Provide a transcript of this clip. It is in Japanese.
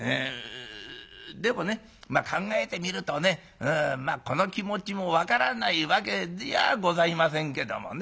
でもねまあ考えてみるとねこの気持ちも分からないわけじゃございませんけどもね。